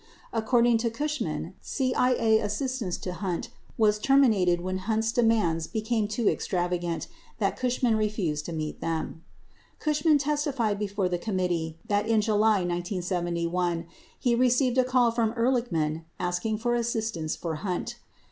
According to Cushman, CIA assistance to Hunt was terminated when Hunt's demands become so extravagant that Cushman refused to meet them. Cushman testified before the committee that in July 1971 he received a call from Ehrlichman asking for assistance for Hunt.